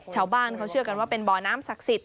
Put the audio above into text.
ชาวบ้านเขาเชื่อกันว่าเป็นบ่อน้ำศักดิ์สิทธิ